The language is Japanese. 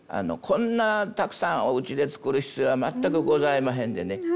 こんなたくさんおうちで作る必要は全くございまへんでね。